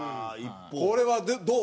これはどう？